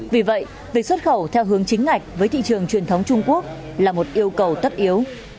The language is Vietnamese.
vì vậy việc xuất khẩu theo hướng chính ngạch với thị trường truyền thống trung quốc là một yêu cầu tất yếu